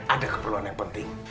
ada keperluan yang penting